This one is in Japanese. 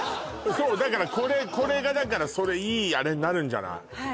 そうだからこれがいいあれになるんじゃない？